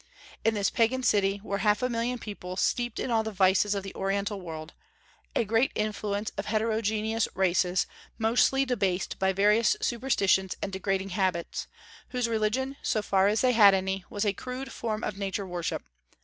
In this pagan city were half a million people steeped in all the vices of the Oriental world, a great influx of heterogeneous races, mostly debased by various superstitions and degrading habits, whose religion, so far as they had any, was a crude form of Nature worship.